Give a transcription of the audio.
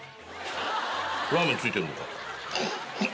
ラーメンついてんのか？